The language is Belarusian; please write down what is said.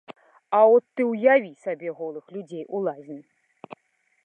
А от ты ўяві сабе голых людзей у лазні?